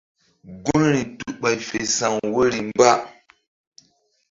Gunri tu ɓay fe sa̧w woyri mba.